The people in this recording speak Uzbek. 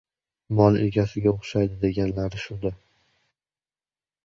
Mol egasiga o‘xshaydi, deganlari shuda...